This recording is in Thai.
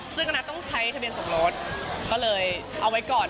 ซึ่งอันนั้นต้องใช้ทะเบียนสมรสก็เลยเอาไว้ก่อน